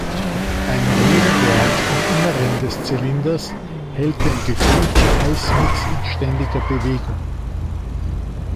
Ein Rührwerk im Inneren des Zylinders hält den gekühlten Eis-Mix in ständiger Bewegung.